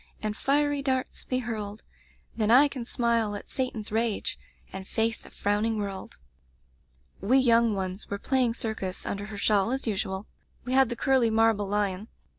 And fiery darts be hurled, Then I can smile at Satan's rage, And face a frowning world/ "We young ones were playing circus un der her shawl, as usual. We had the curly marble lion.